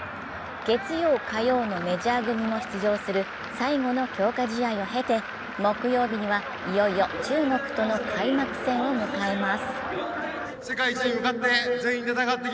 月曜・火曜の、メジャー組も出場する最後の強化試合を経て、木曜日にはいよいよ中国との開幕戦を迎えます。